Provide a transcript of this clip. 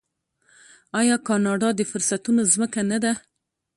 آیا کاناډا د فرصتونو ځمکه نه ده؟